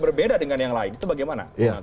berbeda dengan yang lain itu bagaimana